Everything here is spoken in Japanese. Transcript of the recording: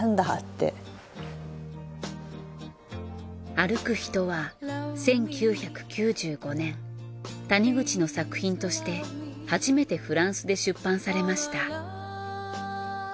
『歩くひと』は１９９５年谷口の作品として初めてフランスで出版されました。